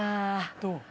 どう？